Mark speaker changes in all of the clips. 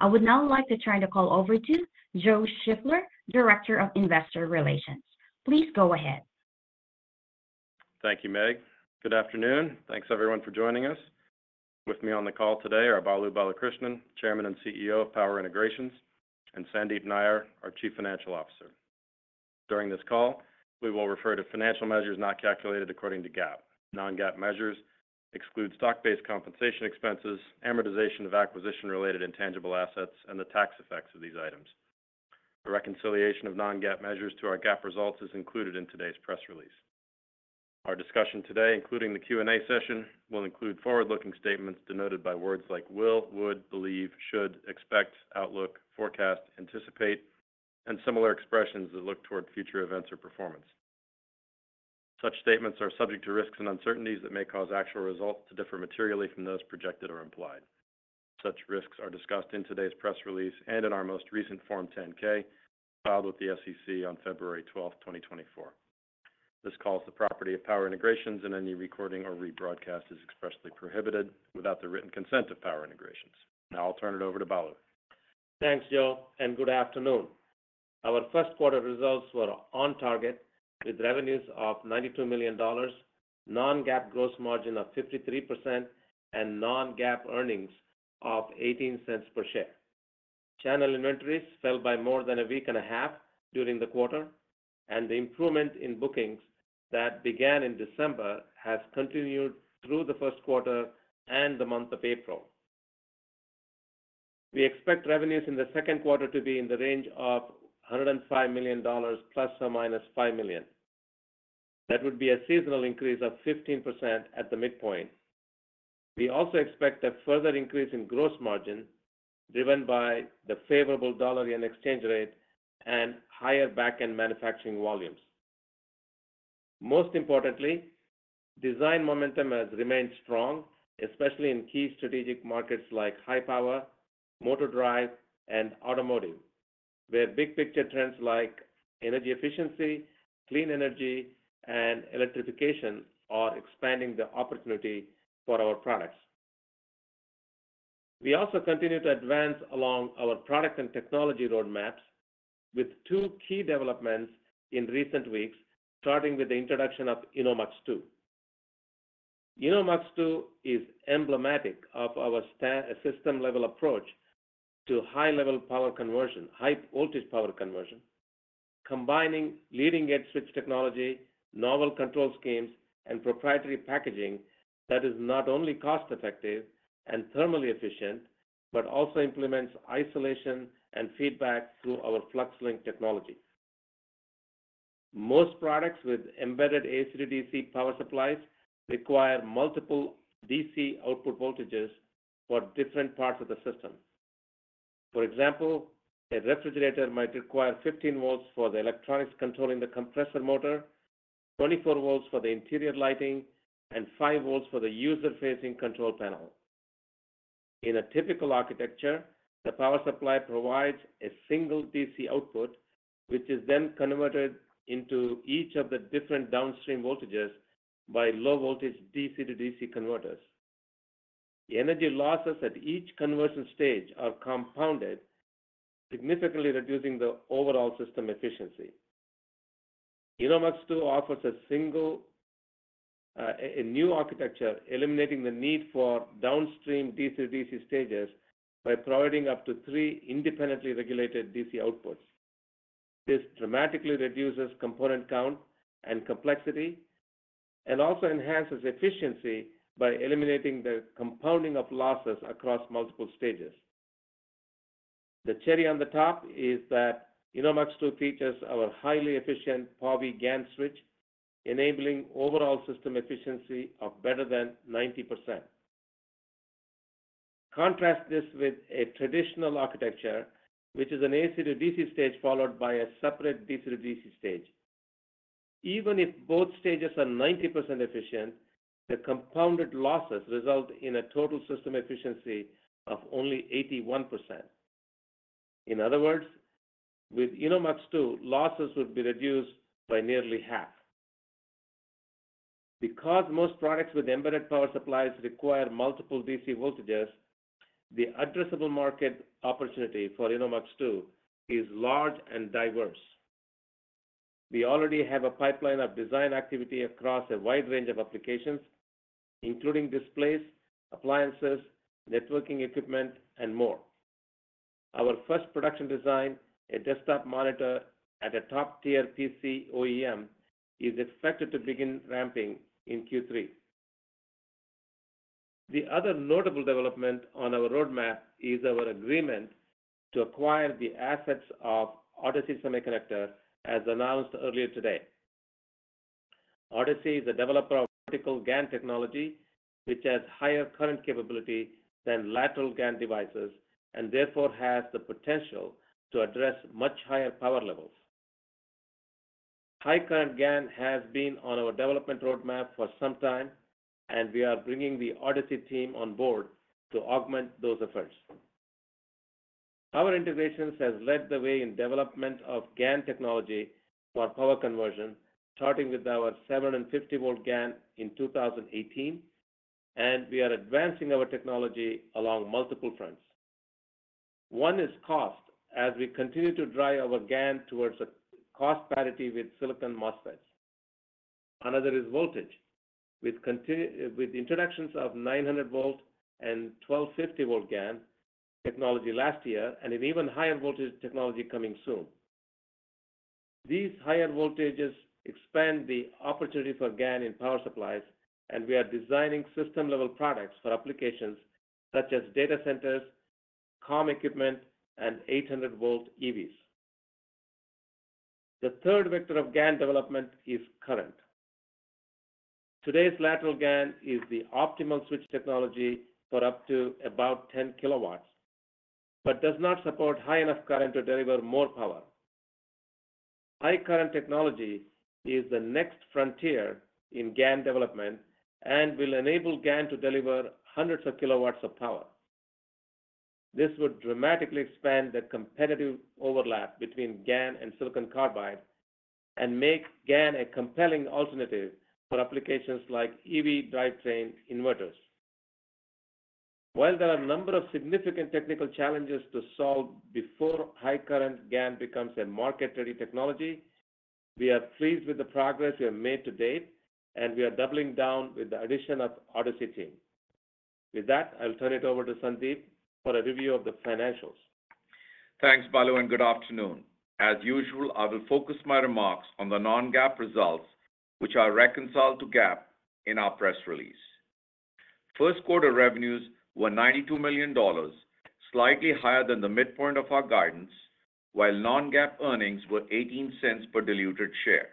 Speaker 1: I would now like to turn the call over to Joe Shiffler, Director of Investor Relations. Please go ahead.
Speaker 2: Thank you, Meg. Good afternoon. Thanks, everyone, for joining us. With me on the call today are Balu Balakrishnan, Chairman and CEO of Power Integrations, and Sandeep Nayyar, our Chief Financial Officer. During this call, we will refer to financial measures not calculated according to GAAP. Non-GAAP measures exclude stock-based compensation expenses, amortization of acquisition-related intangible assets, and the tax effects of these items. A reconciliation of non-GAAP measures to our GAAP results is included in today's press release. Our discussion today, including the Q&A session, will include forward-looking statements denoted by words like will, would, believe, should, expect, outlook, forecast, anticipate, and similar expressions that look toward future events or performance. Such statements are subject to risks and uncertainties that may cause actual results to differ materially from those projected or implied. Such risks are discussed in today's press release and in our most recent Form 10-K, filed with the SEC on February 12, 2024. This call is the property of Power Integrations, and any recording or rebroadcast is expressly prohibited without the written consent of Power Integrations. Now I'll turn it over to Balu.
Speaker 3: Thanks, Joe, and good afternoon. Our first quarter results were on target, with revenues of $92 million, non-GAAP gross margin of 53%, and non-GAAP earnings of $0.18 per share. Channel inventories fell by more than a week and a half during the quarter, and the improvement in bookings that began in December has continued through the first quarter and the month of April. We expect revenues in the second quarter to be in the range of $105 million ±$5 million. That would be a seasonal increase of 15% at the midpoint. We also expect a further increase in gross margin, driven by the favorable dollar and exchange rate and higher backend manufacturing volumes. Most importantly, design momentum has remained strong, especially in key strategic markets like high power, motor drive, and automotive, where big picture trends like energy efficiency, clean energy, and electrification are expanding the opportunity for our products. We also continue to advance along our product and technology roadmaps with two key developments in recent weeks, starting with the introduction of InnoMux-2. InnoMux-2 is emblematic of our system-level approach to high-level power conversion, high-voltage power conversion, combining leading-edge switch technology, novel control schemes, and proprietary packaging that is not only cost-effective and thermally efficient, but also implements isolation and feedback through our FluxLink technology. Most products with embedded AC to DC power supplies require multiple DC output voltages for different parts of the system. For example, a refrigerator might require 15 volts for the electronics controlling the compressor motor, 24 volts for the interior lighting, and 5 volts for the user-facing control panel. In a typical architecture, the power supply provides a single DC output, which is then converted into each of the different downstream voltages by low-voltage DC-to-DC converters. The energy losses at each conversion stage are compounded, significantly reducing the overall system efficiency. InnoMux-2 offers a single, new architecture, eliminating the need for downstream DC-to-DC stages by providing up to 3 independently regulated DC outputs. This dramatically reduces component count and complexity, and also enhances efficiency by eliminating the compounding of losses across multiple stages. The cherry on the top is that InnoMux-2 features our highly efficient PowiGaN switch, enabling overall system efficiency of better than 90%. Contrast this with a traditional architecture, which is an AC to DC stage, followed by a separate DC-to-DC stage. Even if both stages are 90% efficient, the compounded losses result in a total system efficiency of only 81%. In other words, with InnoMux-2, losses would be reduced by nearly half. Because most products with embedded power supplies require multiple DC voltages, the addressable market opportunity for InnoMux-2 is large and diverse. We already have a pipeline of design activity across a wide range of applications, including displays, appliances, networking equipment, and more. Our first production design, a desktop monitor at a top-tier PC OEM, is expected to begin ramping in Q3. The other notable development on our roadmap is our agreement to acquire the assets of Odyssey Semiconductor Technologies, as announced earlier today. Odyssey is a developer of vertical GaN technology, which has higher current capability than lateral GaN devices, and therefore, has the potential to address much higher power levels. High current GaN has been on our development roadmap for some time, and we are bringing the Odyssey team on board to augment those efforts. Power Integrations has led the way in development of GaN technology for power conversion, starting with our 75-volt GaN in 2018, and we are advancing our technology along multiple fronts. One is cost, as we continue to drive our GaN towards a cost parity with silicon MOSFETs. Another is voltage, with the introductions of 900-volt and 1250-volt GaN technology last year, and an even higher voltage technology coming soon. These higher voltages expand the opportunity for GaN in power supplies, and we are designing system-level products for applications such as data centers, comm equipment, and 800-volt EVs. The third vector of GaN development is current. Today's lateral GaN is the optimal switch technology for up to about 10 kW, but does not support high enough current to deliver more power. High current technology is the next frontier in GaN development and will enable GaN to deliver hundreds of kW of power. This would dramatically expand the competitive overlap between GaN and silicon carbide and make GaN a compelling alternative for applications like EV drivetrain inverters. While there are a number of significant technical challenges to solve before high current GaN becomes a market-ready technology, we are pleased with the progress we have made to date, and we are doubling down with the addition of Odyssey team. With that, I'll turn it over to Sandeep for a review of the financials.
Speaker 4: Thanks, Balu, and good afternoon. As usual, I will focus my remarks on the non-GAAP results, which are reconciled to GAAP in our press release. First quarter revenues were $92 million, slightly higher than the midpoint of our guidance, while non-GAAP earnings were $0.18 per diluted share,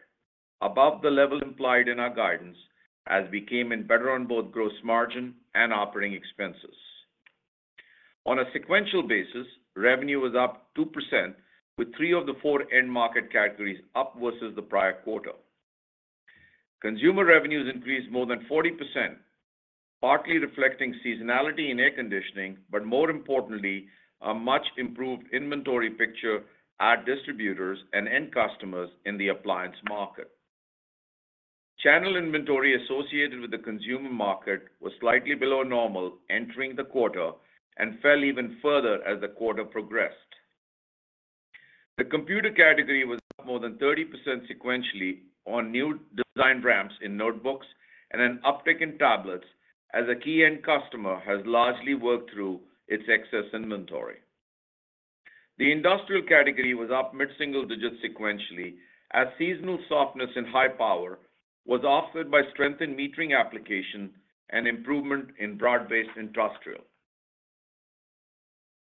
Speaker 4: above the level implied in our guidance as we came in better on both gross margin and operating expenses. On a sequential basis, revenue was up 2%, with three of the four end market categories up versus the prior quarter. Consumer revenues increased more than 40%, partly reflecting seasonality in air conditioning, but more importantly, a much improved inventory picture at distributors and end customers in the appliance market. Channel inventory associated with the consumer market was slightly below normal entering the quarter and fell even further as the quarter progressed. The computer category was up more than 30% sequentially on new design ramps in notebooks and an uptick in tablets, as a key end customer has largely worked through its excess inventory. The industrial category was up mid-single digits sequentially, as seasonal softness in high power was offered by strength in metering application and improvement in broad-based industrial.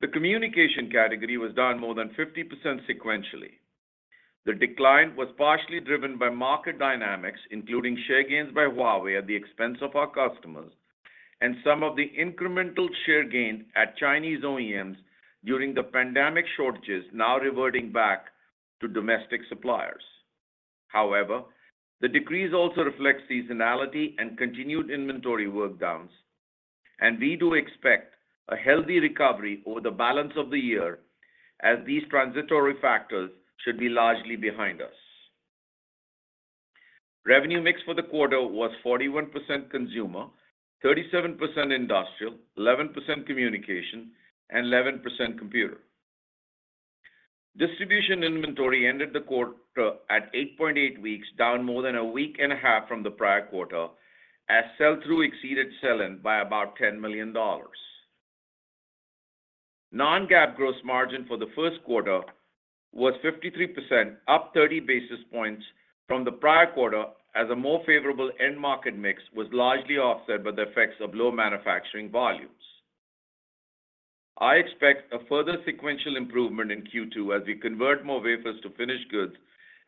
Speaker 4: The communication category was down more than 50% sequentially. The decline was partially driven by market dynamics, including share gains by Huawei at the expense of our customers and some of the incremental share gains at Chinese OEMs during the pandemic shortages now reverting back to domestic suppliers. However, the decrease also reflects seasonality and continued inventory work downs, and we do expect a healthy recovery over the balance of the year as these transitory factors should be largely behind us. Revenue mix for the quarter was 41% consumer, 37% industrial, 11% communication, and 11% computer. Distribution inventory ended the quarter at 8.8 weeks, down more than a week and a half from the prior quarter, as sell-through exceeded sell-in by about $10 million. Non-GAAP gross margin for the first quarter was 53%, up 30 basis points from the prior quarter, as a more favorable end market mix was largely offset by the effects of low manufacturing volumes. I expect a further sequential improvement in Q2 as we convert more wafers to finished goods,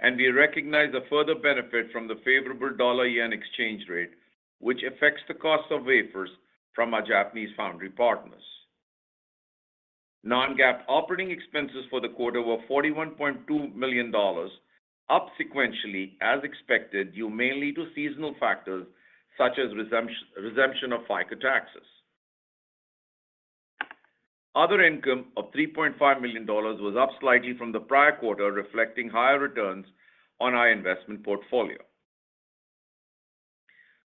Speaker 4: and we recognize a further benefit from the favorable dollar-yen exchange rate, which affects the cost of wafers from our Japanese foundry partners. Non-GAAP operating expenses for the quarter were $41.2 million, up sequentially as expected, due mainly to seasonal factors such as redemption of FICA taxes. Other income of $3.5 million was up slightly from the prior quarter, reflecting higher returns on our investment portfolio.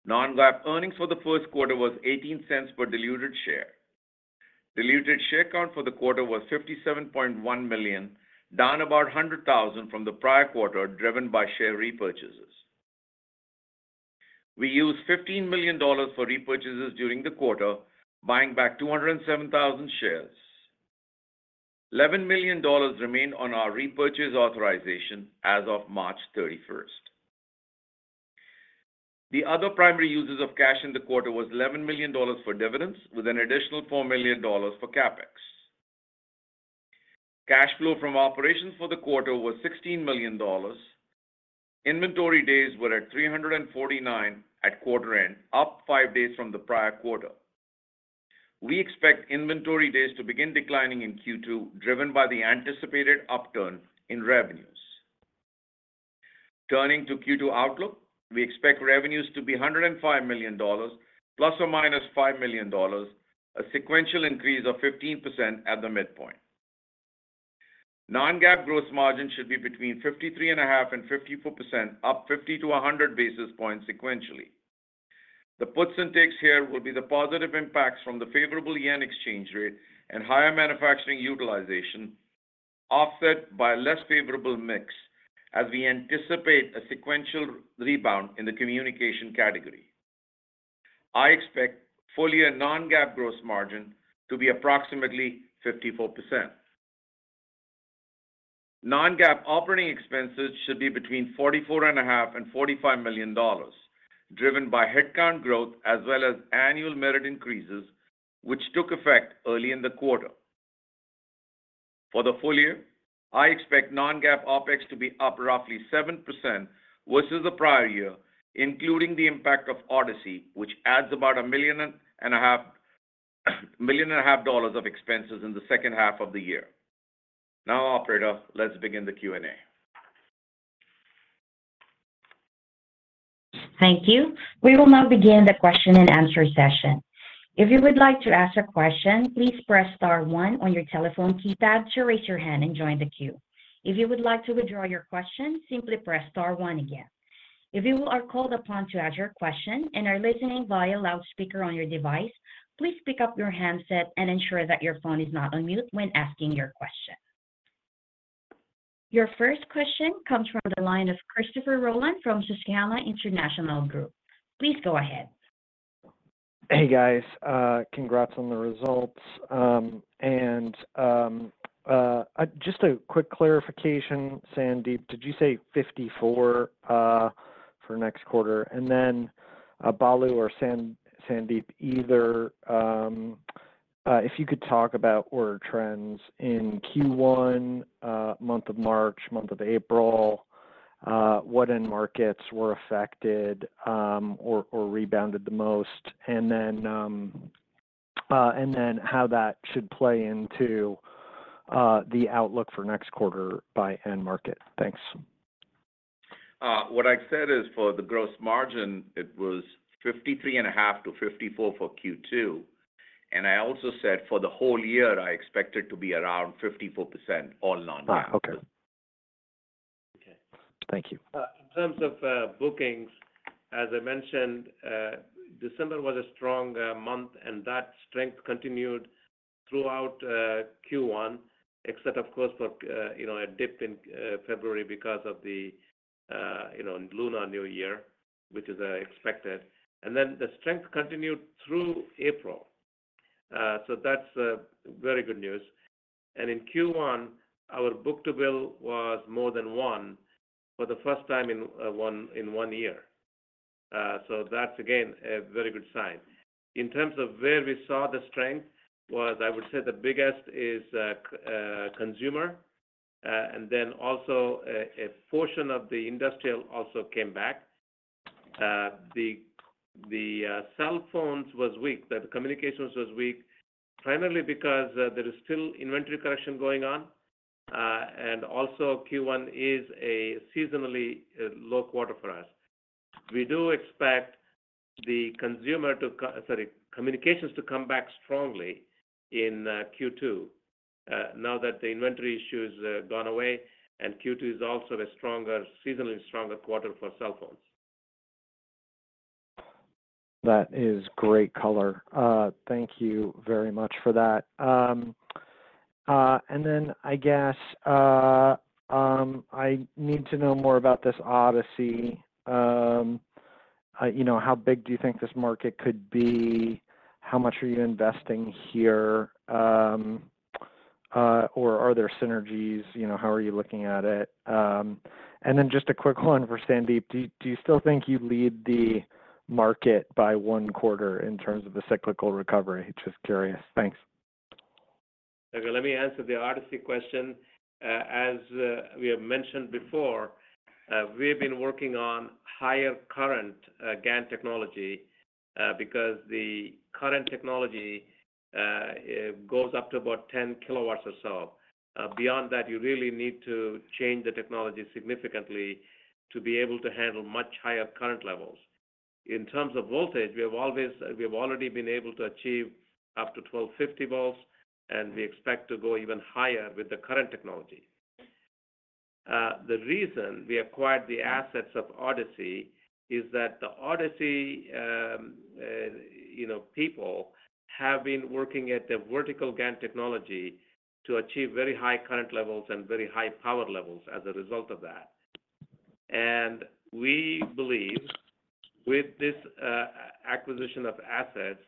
Speaker 4: Non-GAAP earnings for the first quarter was $0.18 per diluted share. Diluted share count for the quarter was 57.1 million, down about 100,000 from the prior quarter, driven by share repurchases. We used $15 million for repurchases during the quarter, buying back 207,000 shares. $11 million remained on our repurchase authorization as of March 31st. The other primary uses of cash in the quarter was $11 million for dividends, with an additional $4 million for CapEx. Cash flow from operations for the quarter was $16 million. Inventory days were at 349 at quarter end, up 5 days from the prior quarter. We expect inventory days to begin declining in Q2, driven by the anticipated upturn in revenues. Turning to Q2 outlook, we expect revenues to be $105 million ± $5 million, a sequential increase of 15% at the midpoint. Non-GAAP gross margin should be between 53.5% and 54%, up 50-100 basis points sequentially. The puts and takes here will be the positive impacts from the favorable yen exchange rate and higher manufacturing utilization, offset by a less favorable mix as we anticipate a sequential rebound in the communication category. I expect full-year non-GAAP gross margin to be approximately 54%. Non-GAAP operating expenses should be between $44.5 million and $45 million, driven by headcount growth as well as annual merit increases, which took effect early in the quarter. For the full year, I expect non-GAAP OpEx to be up roughly 7% versus the prior year, including the impact of Odyssey, which adds about $1.5 million, $1.5 million dollars of expenses in the second half of the year. Now, operator, let's begin the Q&A.
Speaker 1: Thank you. We will now begin the question and answer session. If you would like to ask a question, please press star one on your telephone keypad to raise your hand and join the queue. If you would like to withdraw your question, simply press star one again. If you are called upon to ask your question and are listening via loudspeaker on your device, please pick up your handset and ensure that your phone is not on mute when asking your question. Your first question comes from the line of Christopher Rolland from Susquehanna International Group. Please go ahead.
Speaker 5: Hey, guys, congrats on the results. Just a quick clarification, Sandeep, did you say 54 for next quarter? And then, Balu or Sandeep, either, if you could talk about order trends in Q1, month of March, month of April, what end markets were affected, or rebounded the most? And then, how that should play into the outlook for next quarter by end market. Thanks.
Speaker 4: What I said is for the gross margin, it was 53.5%-54% for Q2, and I also said for the whole year, I expect it to be around 54% all non-GAAP.
Speaker 5: Ah, okay.
Speaker 4: Okay.
Speaker 5: Thank you.
Speaker 3: In terms of bookings, as I mentioned, December was a strong month, and that strength continued throughout Q1, except, of course, for, you know, a dip in February because of the, you know, Lunar New Year, which is expected. And then the strength continued through April. So that's very good news. And in Q1, our book-to-bill was more than one for the first time in one year. So that's, again, a very good sign. In terms of where we saw the strength was, I would say the biggest is consumer, and then also a portion of the industrial also came back. The cell phones was weak, the communications was weak, primarily because there is still inventory correction going on, and also Q1 is a seasonally low quarter for us. We do expect the consumer (sorry, communications) to come back strongly in Q2, now that the inventory issue has gone away, and Q2 is also a stronger, seasonally stronger quarter for cell phones.
Speaker 5: That is great color. Thank you very much for that. And then I guess I need to know more about this Odyssey. You know, how big do you think this market could be? How much are you investing here? Or are there synergies? You know, how are you looking at it? And then just a quick one for Sandeep: Do you still think you lead the market by one quarter in terms of the cyclical recovery? Just curious. Thanks.
Speaker 3: Okay, let me answer the Odyssey question. As we have mentioned before, we have been working on higher current GaN technology because the current technology goes up to about 10 kW or so. Beyond that, you really need to change the technology significantly to be able to handle much higher current levels. In terms of voltage, we have already been able to achieve up to 1,250 volts, and we expect to go even higher with the current technology. The reason we acquired the assets of Odyssey is that the Odyssey, you know, people have been working at the vertical GaN technology to achieve very high current levels and very high power levels as a result of that. And we believe with this acquisition of assets,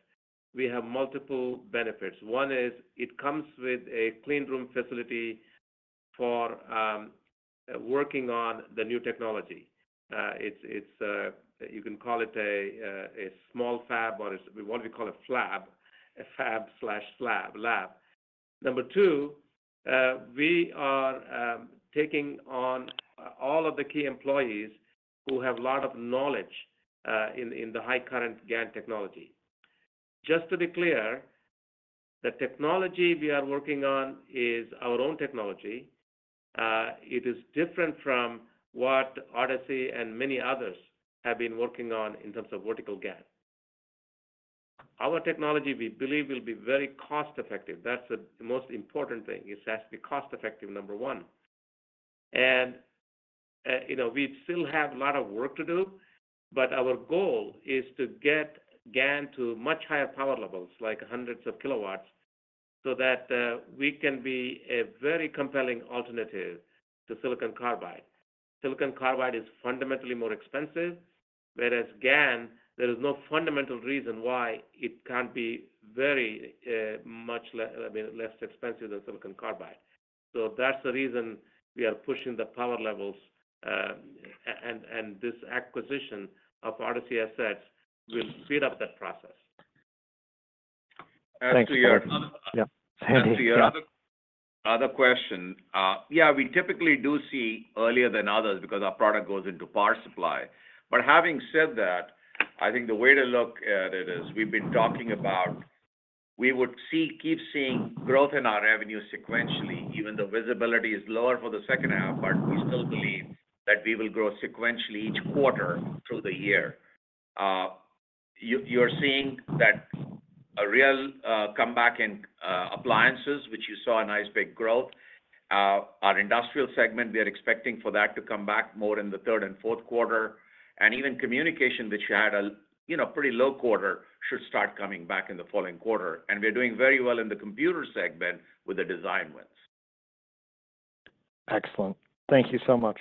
Speaker 3: we have multiple benefits. One is, it comes with a clean room facility for, working on the new technology. It's, it's, you can call it a, a small fab, or it's... We want to call it flab, a fab/slab, lab. Number two, we are, taking on, all of the key employees who have a lot of knowledge, in, in the high current GaN technology. Just to be clear, the technology we are working on is our own technology. It is different from what Odyssey and many others have been working on in terms of vertical GaN. Our technology, we believe, will be very cost-effective. That's the most important thing, is it has to be cost-effective, number one. You know, we still have a lot of work to do, but our goal is to get GaN to much higher power levels, like hundreds of kilowatts, so that we can be a very compelling alternative to silicon carbide. Silicon carbide is fundamentally more expensive, whereas GaN, there is no fundamental reason why it can't be very much less—I mean, less expensive than silicon carbide. So that's the reason we are pushing the power levels, and this acquisition of Odyssey assets will speed up that process.
Speaker 5: Thanks,
Speaker 3: As to your-
Speaker 5: Yeah.
Speaker 3: As to your other, other question, yeah, we typically do see earlier than others because our product goes into power supply. But having said that, I think the way to look at it is, we've been talking about we would see- keep seeing growth in our revenue sequentially, even though visibility is lower for the second half, but we still believe that we will grow sequentially each quarter through the year. You're seeing that a real comeback in appliances, which you saw a nice, big growth. Our industrial segment, we are expecting for that to come back more in the third and fourth quarter. And even communication, which you had a, you know, pretty low quarter, should start coming back in the following quarter. And we're doing very well in the computer segment with the design wins.
Speaker 5: Excellent. Thank you so much.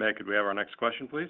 Speaker 2: May, could we have our next question, please?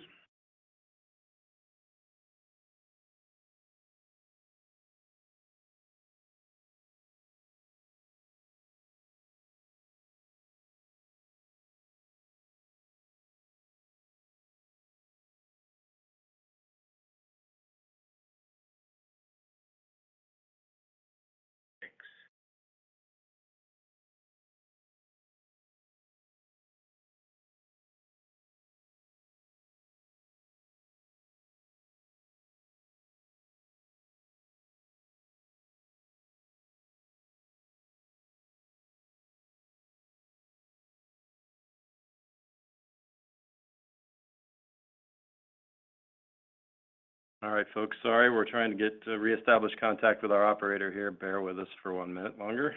Speaker 2: Thanks. All right, folks. Sorry, we're trying to reestablish contact with our operator here. Bear with us for one minute longer.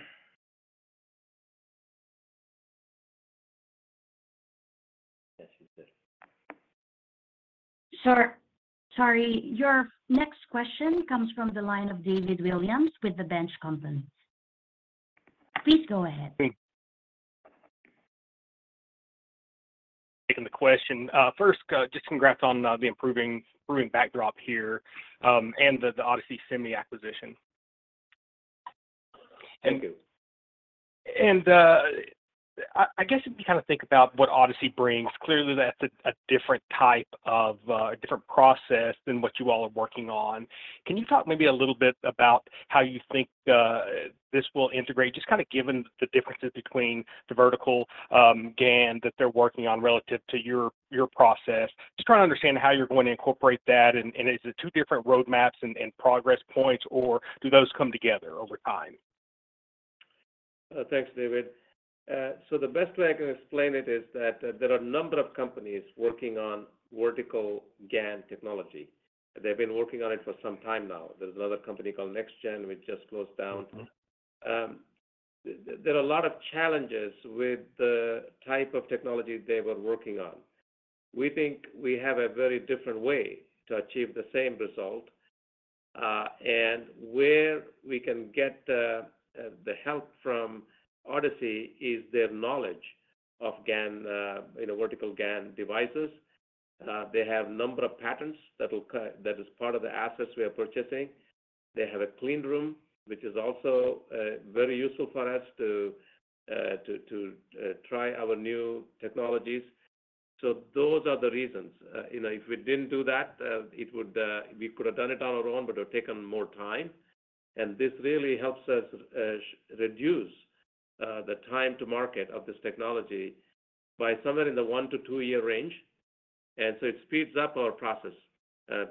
Speaker 1: Sir, sorry, your next question comes from the line of David Williams with the Benchmark Company. Please go ahead.
Speaker 6: Taking the question. First, just congrats on the improving backdrop here, and the Odyssey Semi acquisition.
Speaker 3: Thank you.
Speaker 6: I guess if you kind of think about what Odyssey brings, clearly that's a different type of process than what you all are working on. Can you talk maybe a little bit about how you think this will integrate, just kind of given the differences between the vertical GaN that they're working on relative to your process? Just trying to understand how you're going to incorporate that, and is it two different roadmaps and progress points, or do those come together over time?
Speaker 3: Thanks, David. The best way I can explain it is that there are a number of companies working on Vertical GaN technology. They've been working on it for some time now. There's another company called NexGen, which just closed down.
Speaker 6: Mm-hmm.
Speaker 3: There are a lot of challenges with the type of technology they were working on. We think we have a very different way to achieve the same result, and where we can get the help from Odyssey is their knowledge of GaN, you know, vertical GaN devices. They have number of patents that is part of the assets we are purchasing. They have a clean room, which is also very useful for us to try our new technologies. So those are the reasons. You know, if we didn't do that, it would, we could have done it on our own, but it would have taken more time, and this really helps us reduce the time to market of this technology by somewhere in the 1-2-year range. So it speeds up our process,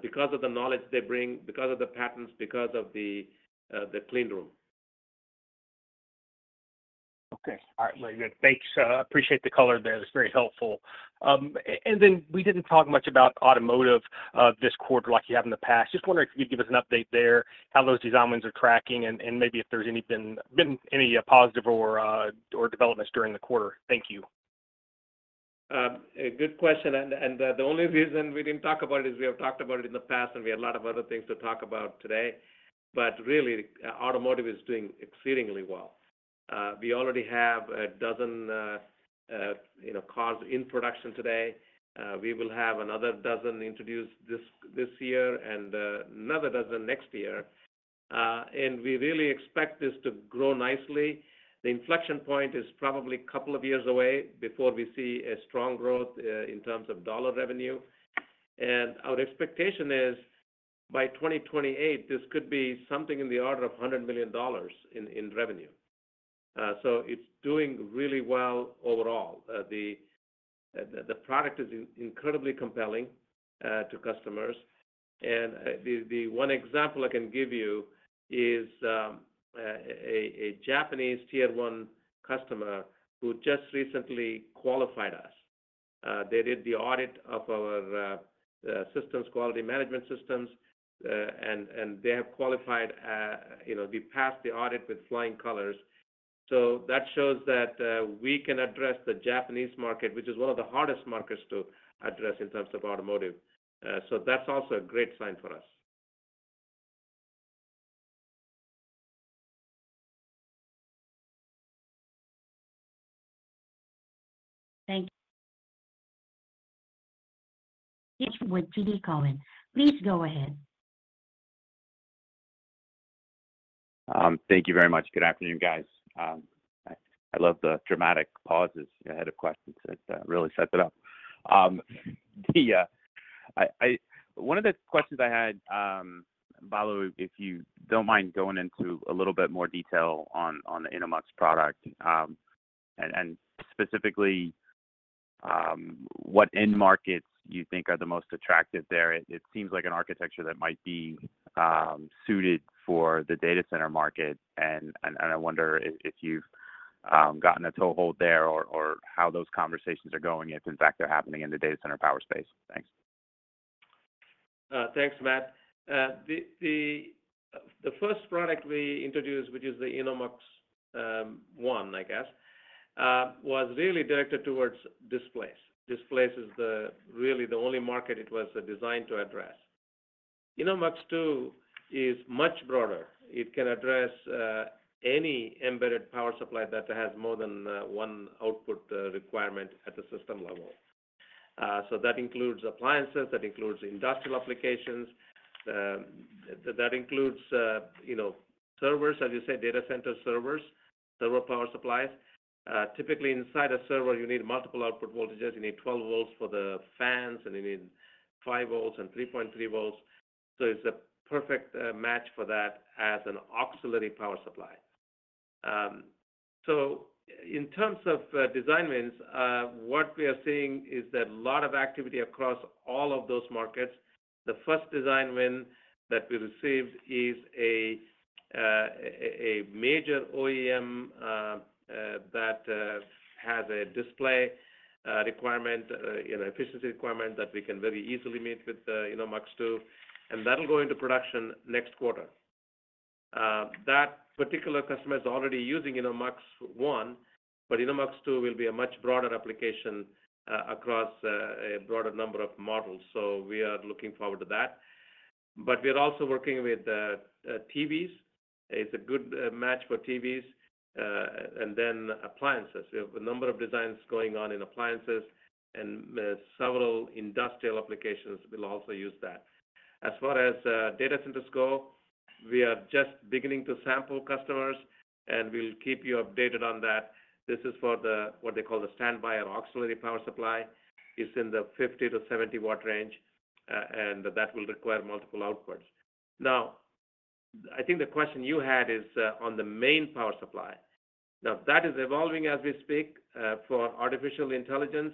Speaker 3: because of the knowledge they bring, because of the patents, because of the clean room.
Speaker 6: Okay. All right, very good. Thanks. Appreciate the color there. That's very helpful. And then we didn't talk much about automotive this quarter like you have in the past. Just wondering if you'd give us an update there, how those designs are tracking and, and maybe if there's anything been any positive or or developments during the quarter. Thank you.
Speaker 3: A good question, and the only reason we didn't talk about it is we have talked about it in the past, and we had a lot of other things to talk about today. But really, automotive is doing exceedingly well. We already have a dozen, you know, cars in production today. We will have another dozen introduced this year and another dozen next year. And we really expect this to grow nicely. The inflection point is probably a couple of years away before we see a strong growth in terms of dollar revenue. And our expectation is, by 2028, this could be something in the order of $100 million in revenue. So it's doing really well overall. The product is incredibly compelling to customers. The one example I can give you is a Japanese Tier 1 customer who just recently qualified us. They did the audit of our quality management systems, and they have qualified, you know, we passed the audit with flying colors. So that shows that we can address the Japanese market, which is one of the hardest markets to address in terms of automotive. So that's also a great sign for us.
Speaker 1: Thank you. With TD Cowen, please go ahead.
Speaker 7: Thank you very much. Good afternoon, guys. I love the dramatic pauses ahead of questions. It really sets it up. One of the questions I had, Balu, if you don't mind going into a little bit more detail on the InnoMux product, and specifically, what end markets you think are the most attractive there. It seems like an architecture that might be suited for the data center market, and I wonder if you've gotten a toehold there or how those conversations are going, if in fact, they're happening in the data center power space. Thanks.
Speaker 3: Thanks, Matt. The first product we introduced, which is the InnoMux-1, I guess, was really directed towards displays. Displays is really the only market it was designed to address. InnoMux-2 is much broader. It can address any embedded power supply that has more than one output requirement at the system level. So that includes appliances, that includes industrial applications, that includes, you know, servers, as you said, data center servers, server power supplies. Typically inside a server, you need multiple output voltages. You need 12 volts for the fans, and you need 5 volts and 3.3 volts, so it's a perfect match for that as an auxiliary power supply. So in terms of design wins, what we are seeing is that a lot of activity across all of those markets. The first design win that we received is a major OEM that has a display requirement, you know, efficiency requirement that we can very easily meet with the InnoMux-2, and that'll go into production next quarter. That particular customer is already using InnoMux-1, but InnoMux-2 will be a much broader application across a broader number of models, so we are looking forward to that. But we are also working with TVs. It's a good match for TVs, and then appliances. We have a number of designs going on in appliances, and several industrial applications will also use that. As far as data centers go, we are just beginning to sample customers, and we'll keep you updated on that. This is for the, what they call the standby or auxiliary power supply. It's in the 50-70 W range, and that will require multiple outputs. Now, I think the question you had is on the main power supply. Now, that is evolving as we speak. For artificial intelligence,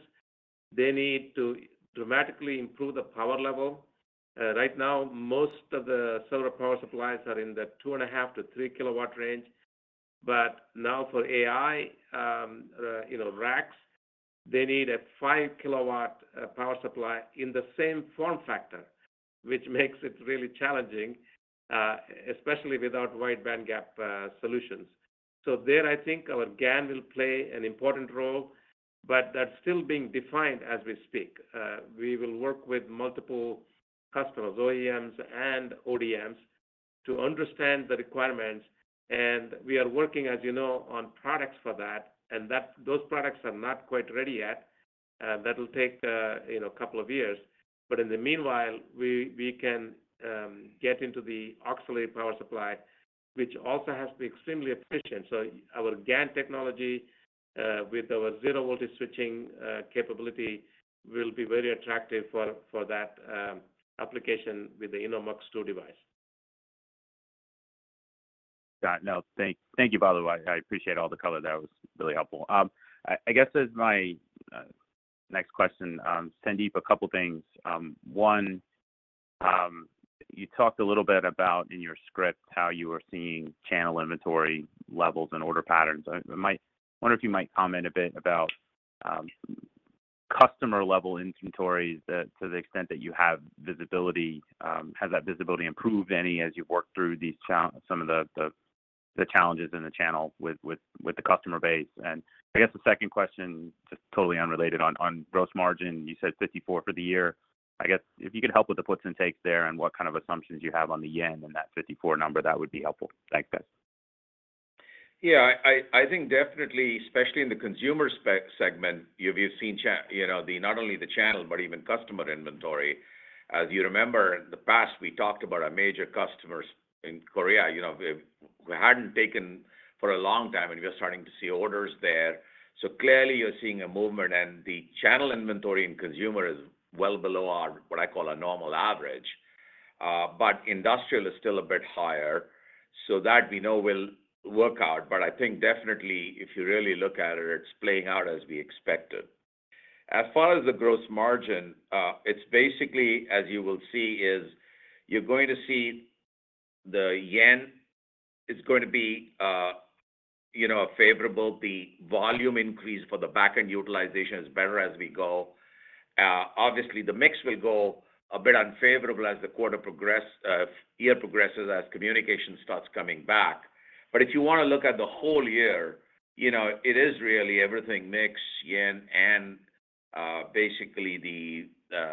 Speaker 3: they need to dramatically improve the power level. Right now, most of the server power supplies are in the 2.5-3 kW range, but now for AI, you know, racks, they need a 5 kW power supply in the same form factor, which makes it really challenging, especially without wide-bandgap solutions. So there, I think our GaN will play an important role, but that's still being defined as we speak. We will work with multiple customers, OEMs and ODMs, to understand the requirements, and we are working, as you know, on products for that, and those products are not quite ready yet. That will take, you know, a couple of years, but in the meanwhile, we can get into the auxiliary power supply, which also has to be extremely efficient. So our GaN technology, with our zero voltage switching capability, will be very attractive for that application with the InnoMux-2 device.
Speaker 7: Got it. No, thank you, by the way. I appreciate all the color. That was really helpful. I guess as my next question, Sandeep, a couple of things. One, you talked a little bit about in your script how you are seeing channel inventory levels and order patterns. I wonder if you might comment a bit about customer-level inventories, to the extent that you have visibility. Has that visibility improved any as you've worked through some of the challenges in the channel with the customer base? And I guess the second question, just totally unrelated, on gross margin, you said 54 for the year. I guess if you could help with the puts and takes there and what kind of assumptions you have on the yen and that 54 number, that would be helpful. Thanks, guys.
Speaker 4: Yeah, I think definitely, especially in the consumer segment, you've seen. You know, not only the channel, but even customer inventory. As you remember, in the past, we talked about our major customers in Korea, you know, we hadn't taken for a long time, and we are starting to see orders there. So clearly, you're seeing a movement, and the channel inventory and consumer is well below our, what I call a normal average. But industrial is still a bit higher, so that we know will work out. But I think definitely if you really look at it, it's playing out as we expected. As far as the gross margin, it's basically, as you will see, is you're going to see the yen is going to be, you know, favorable. The volume increase for the backend utilization is better as we go. Obviously, the mix will go a bit unfavorable as the quarter progress, year progresses as communication starts coming back. But if you wanna look at the whole year, you know, it is really everything: mix, yen, and, basically the,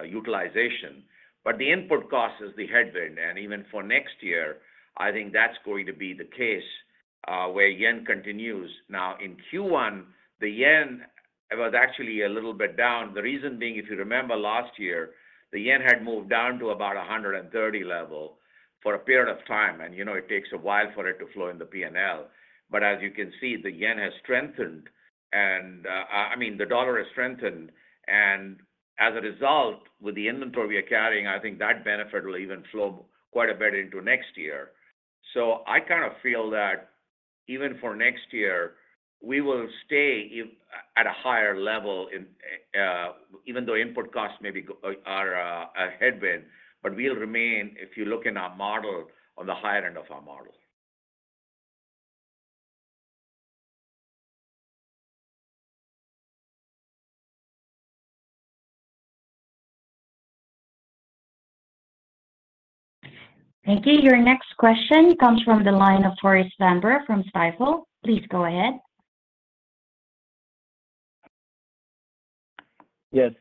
Speaker 4: utilization. But the input cost is the headwind, and even for next year, I think that's going to be the case, where yen continues. Now, in Q1, the yen was actually a little bit down. The reason being, if you remember last year, the yen had moved down to about 130 level for a period of time, and, you know, it takes a while for it to flow in the P&L. But as you can see, the yen has strengthened, and I mean, the dollar has strengthened, and as a result, with the inventory we are carrying, I think that benefit will even flow quite a bit into next year. So I kinda feel that even for next year, we will stay even at a higher level, even though input costs are a headwind, but we'll remain, if you look in our model, on the higher end of our model.
Speaker 1: Thank you. Your next question comes from the line of Tore Svanberg from Stifel. Please go ahead.
Speaker 8: Yes,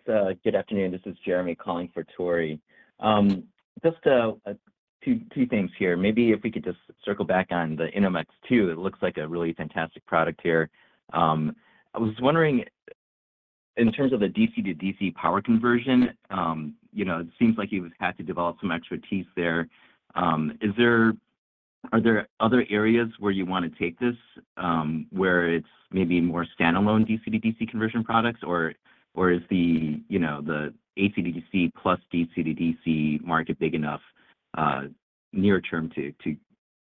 Speaker 8: good afternoon. This is Jeremy calling for Tore. Just two things here. Maybe if we could just circle back on the InnoMux-2, it looks like a really fantastic product here. I was wondering, in terms of the DC-to-DC power conversion, you know, it seems like you've had to develop some expertise there. Is there—Are there other areas where you wanna take this, where it's maybe more standalone DC-to-DC conversion products, or, or is the, you know, the AC to DC plus DC-to-DC market big enough, near term to, to,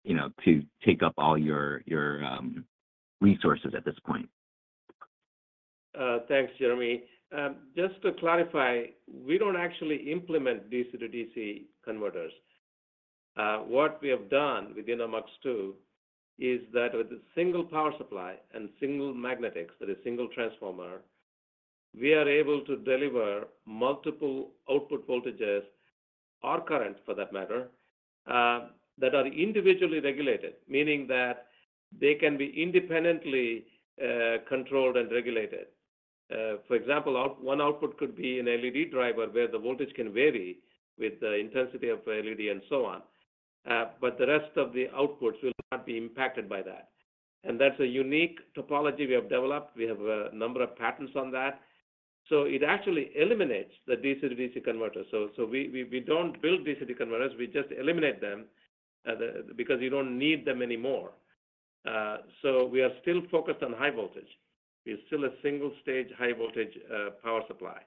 Speaker 8: you know, to take up all your, your resources at this point?
Speaker 3: Thanks, Jeremy. Just to clarify, we don't actually implement DC-to-DC converters. What we have done with InnoMux-2 is that with a single power supply and single magnetics, with a single transformer, we are able to deliver multiple output voltages or current, for that matter, that are individually regulated, meaning that they can be independently controlled and regulated. For example, one output could be an LED driver, where the voltage can vary with the intensity of the LED and so on. But the rest of the outputs will not be impacted by that, and that's a unique topology we have developed. We have a number of patents on that. So it actually eliminates the DC-to-DC converter. So we don't build DC converters, we just eliminate them, because you don't need them anymore. So we are still focused on high voltage. We're still a single-stage, high-voltage power supply.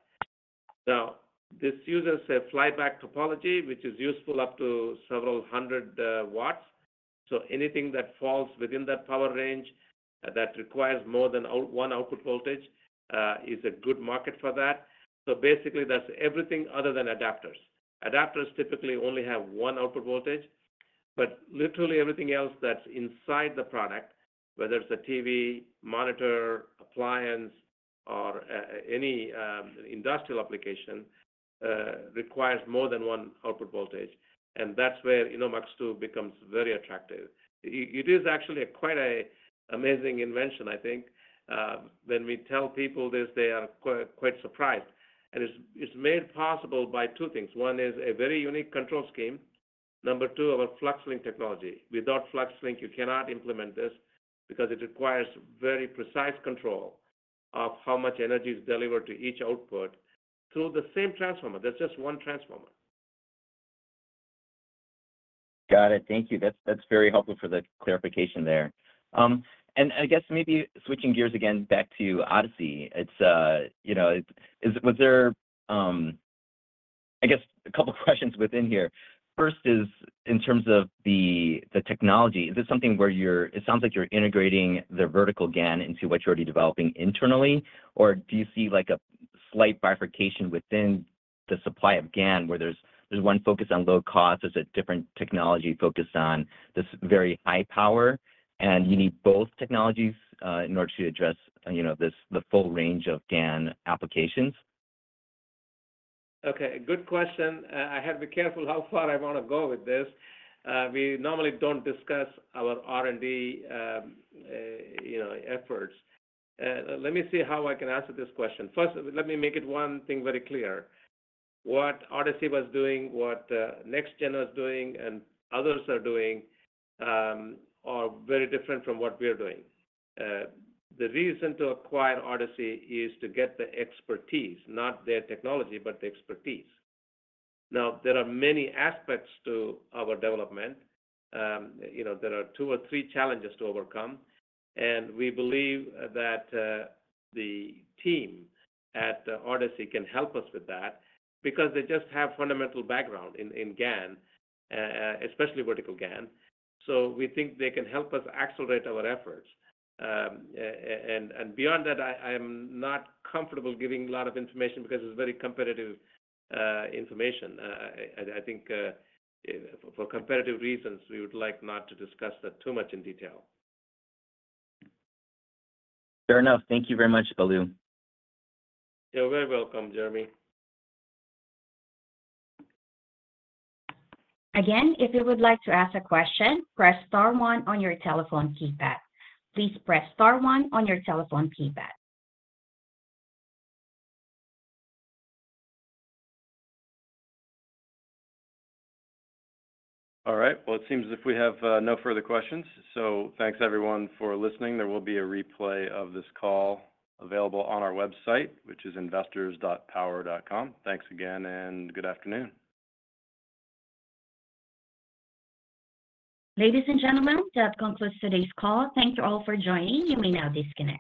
Speaker 3: Now, this uses a flyback topology, which is useful up to several hundred watts. So anything that falls within that power range that requires more than one output voltage is a good market for that. So basically, that's everything other than adapters. Adapters typically only have one output voltage, but literally everything else that's inside the product, whether it's a TV, monitor, appliance, or any industrial application, requires more than one output voltage, and that's where InnoMux-2 becomes very attractive. It, it is actually quite an amazing invention, I think. When we tell people this, they are quite surprised, and it's, it's made possible by two things: One is a very unique control scheme, number two, our FluxLink technology. Without FluxLink, you cannot implement this because it requires very precise control of how much energy is delivered to each output through the same transformer. That's just one transformer.
Speaker 8: Got it. Thank you. That's, that's very helpful for the clarification there. I guess maybe switching gears again back to Odyssey. You know, was there, I guess a couple of questions within here. First is, in terms of the, the technology, is this something where you're- it sounds like you're integrating the vertical GaN into what you're already developing internally? Or do you see, like, a slight bifurcation within the supply of GaN, where there's, there's one focus on low cost, there's a different technology focused on this very high power, and you need both technologies in order to address, you know, this, the full range of GaN applications?
Speaker 3: Okay, good question. I have to be careful how far I wanna go with this. We normally don't discuss our R&D, you know, efforts. Let me see how I can answer this question. First, let me make it one thing very clear. What Odyssey was doing, what NexGen is doing, and others are doing, are very different from what we are doing. The reason to acquire Odyssey is to get the expertise, not their technology, but the expertise. Now, there are many aspects to our development. You know, there are two or three challenges to overcome, and we believe that the team at Odyssey can help us with that because they just have fundamental background in GaN, especially vertical GaN. So we think they can help us accelerate our efforts. And beyond that, I'm not comfortable giving a lot of information because it's very competitive information. I think, for competitive reasons, we would like not to discuss that too much in detail.
Speaker 8: Fair enough. Thank you very much, Balu.
Speaker 3: You're very welcome, Jeremy.
Speaker 1: Again, if you would like to ask a question, press star one on your telephone keypad. Please press star one on your telephone keypad.
Speaker 2: All right. Well, it seems as if we have no further questions, so thanks everyone for listening. There will be a replay of this call available on our website, which is investors.power.com. Thanks again, and good afternoon.
Speaker 1: Ladies and gentlemen, that concludes today's call. Thank you all for joining. You may now disconnect.